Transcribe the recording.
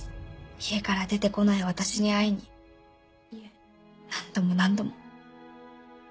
家から出てこない私に会いに何度も何度も。